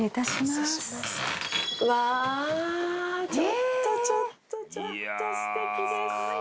ちょっとちょっとちょっと素敵です！